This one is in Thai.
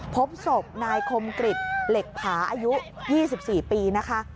พบศพนายคมกริจเหล็กผาอายุ๒๔ปีนะคะ